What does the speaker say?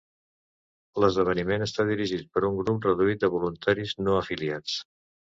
L'esdeveniment està dirigit per un grup reduït de voluntaris no afiliats.